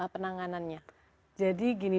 penanganannya jadi gini